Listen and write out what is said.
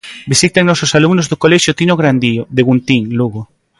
Visítannos os alumnos do colexio Tino Grandío, de Guntín, Lugo.